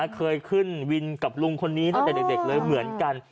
เคยขึ้นวินกับลุงคนนี้ตั้งแต่เด็กเลยเหมือนกัน